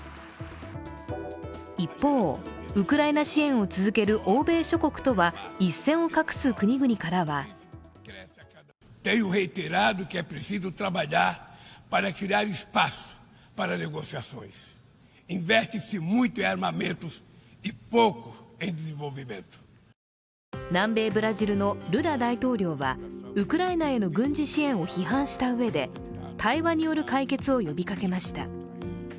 一方、ウクライナ支援を続ける欧米諸国とは一線を画す国々からは南米ブラジルのルラ大統領はウクライナへの軍事支援を批判したうえで対話による解決を呼びかけました。